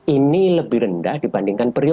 ini lebih rendah dibandingkan periode